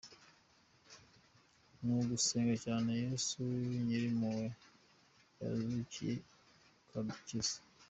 ni ugusenga cyane Yezu Nyirimpuhwe yazukiye kudukiza.